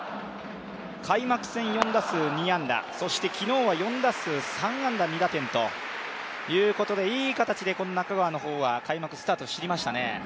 開幕戦４打数２安打、そして昨日は４打数３安打２打点ということでいい形でこの中川は開幕スタート切りましたね。